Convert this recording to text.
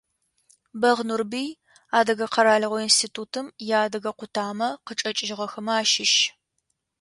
Бэгъ Нурбый, Адыгэ къэралыгъо институтым иадыгэ къутамэ къычӏэкӏыгъэхэмэ ащыщ.